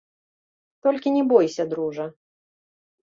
Толькі не бойся, дружа.